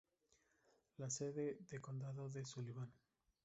La sede de condado es Sullivan.